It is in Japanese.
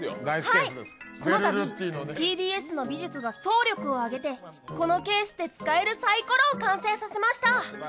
このたび、ＴＢＳの美術が総力を挙げてこのケースで使えるサイコロを完成させました。